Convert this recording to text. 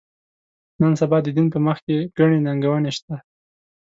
نن سبا د دین په مخ کې ګڼې ننګونې شته.